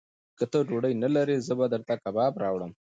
که ته ډوډۍ نه لرې، زه به درته کباب راوړم.